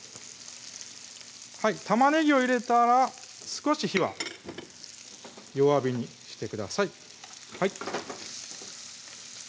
玉ねぎを入れたら少し火は弱火にしてください